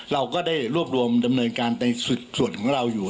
เราก็ได้รวบรวมดำเนินการในส่วนของเราอยู่